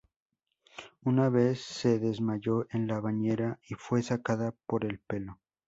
Una vez se desmayó en la bañera y fue sacada por el pelo.